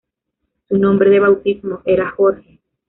Su nombre de bautismo era Jorge.